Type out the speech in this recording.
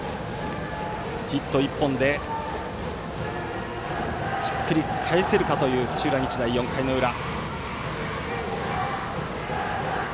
ヒット１本でひっくり返せるかという土浦日大、４回の裏。